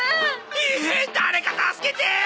誰か助けてー！